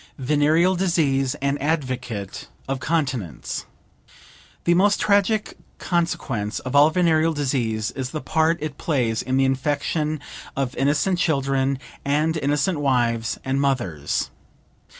VENEREAL DISEASE AN ADVOCATE OF CONTINENCE The most tragic consequence of all venereal disease is the part it plays in the infection of innocent children, and innocent wives and mothers.